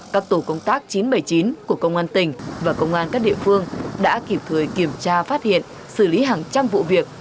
các tổ công tác chín trăm bảy mươi chín của công an tỉnh và công an các địa phương đã kịp thời kiểm tra phát hiện xử lý hàng trăm vụ việc